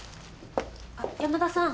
あっ山田さん。